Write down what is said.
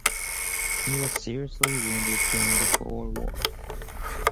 He was seriously wounded during the Boer War.